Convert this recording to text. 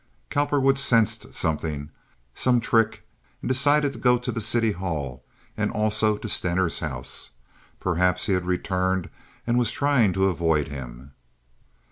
Cowperwood sensed something, some trick; and decided to go to the city hall and also to Stener's house. Perhaps he had returned and was trying to avoid him.